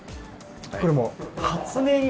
これもう。